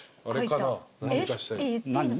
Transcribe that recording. あれかな？